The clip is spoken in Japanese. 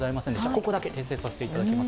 ここだけ訂正させていただきます。